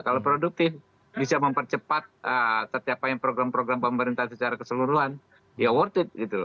kalau produktif bisa mempercepat setiap program program pemerintah secara keseluruhan ya worth it gitu loh